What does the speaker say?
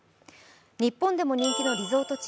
日本でも人気のリゾート地